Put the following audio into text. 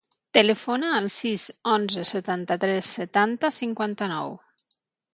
Telefona al sis, onze, setanta-tres, setanta, cinquanta-nou.